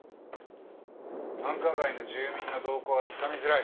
繁華街の住民の動向はつかみづらい。